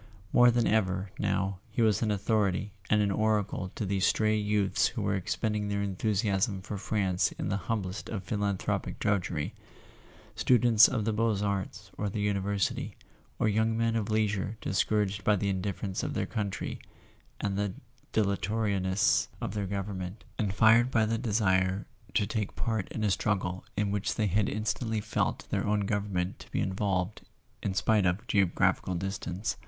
More than ever, now, he was an au¬ thority and an oracle to these stray youths who were expending their enthusiasm for France in the humblest of philanthropic drudgery: students of the Beaux Arts or the University, or young men of leisure discouraged by the indifference of their country and the dilatori¬ ness of their government, and fired by the desire to take part in a struggle in which they had instantly felt their own country to be involved in spite of geograph¬ ical distance.